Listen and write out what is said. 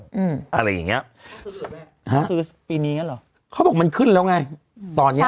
อืมอะไรอย่างเงี้ยฮะคือปีนี้เหรอเขาบอกมันขึ้นแล้วไงอืมตอนเนี้ย